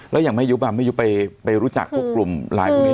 แล้วอย่างแม่จุ๊บอะแม่จุ๊บไปรู้จักกลุ่มไลน์พวกนี้เลย